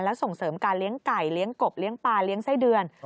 และส่งเสริมการเลี้ยงไก่เลี้ยงกบเลี้ยงปลาเลี้ยงไส้เดือน